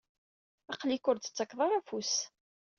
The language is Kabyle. Aql-ik ur d-tettakeḍ ara afus.